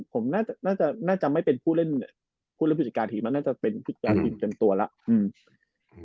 ผมน่าจะน่าจะไม่เป็นผู้เล่นผู้เล่นผู้จัดการทีมแล้วน่าจะเป็นผู้จัดการทีมเต็มตัวแล้ว